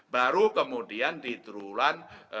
baru kemudian di triulan